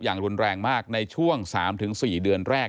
อย่างรุนแรงมากในช่วง๓๔เดือนแรก